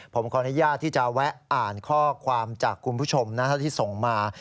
ผมขออนุญาตที่จะแวะอ่านข้อความจากคุณผู้ชมที่ส่งมา